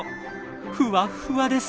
ふわっふわです。